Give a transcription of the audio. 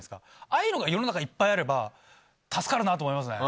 ああいうのが世の中にいっぱいあれば助かるなと思いますね。